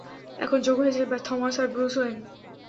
এখন যোগ হয়েছে থমাস আর ব্রুস ওয়েন।